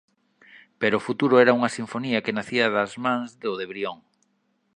Pero o futuro era unha sinfonía que nacía das mans do de Brión.